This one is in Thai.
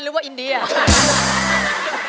รูมีปาน